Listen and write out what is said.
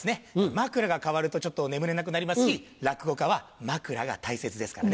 枕が変わるとちょっと眠れなくなりますし落語家は枕が大切ですからね。